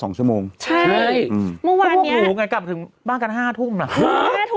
สองชั่วโมงใช่เมื่อวานเนี้ยกลับถึงบ้านกันห้าทุ่มน่ะห้า